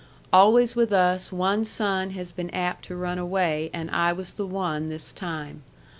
Always with us one son has been apt to run away and I was the one this time.